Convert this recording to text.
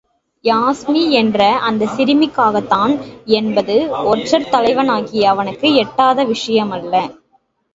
யாஸ்மி என்ற அந்தச் சிறுமிக்காகத்தான் என்பது ஒற்றர் தலைவனாகிய அவனுக்கு எட்டாத விஷயமல்ல.